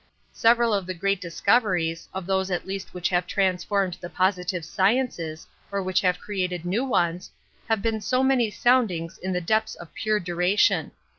Several of the great discoveries, of those at least which have transformed the positive sciences or which have created new ones, have been so many soundings in the depths of pure duration.